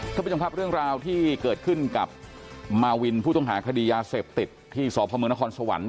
ท่านผู้ชมครับเรื่องราวที่เกิดขึ้นกับมาวินผู้ต้องหาคดียาเสพติดที่สพมนครสวรรค์